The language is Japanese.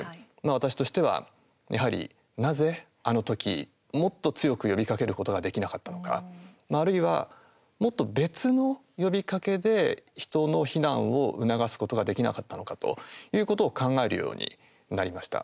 私としてはやはり、なぜあの時もっと強く呼びかけることができなかったのかあるいは、もっと別の呼びかけで人の避難を促すことができなかったのかということを考えるようになりました。